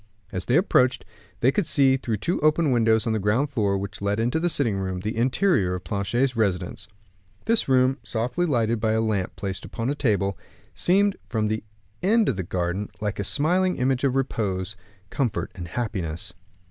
As they approached, they could see, through two open windows on the ground floor, which led into a sitting room, the interior of Planchet's residence. This room, softly lighted by a lamp placed on the table, seemed, from the end of the garden, like a smiling image of repose, comfort, and happiness.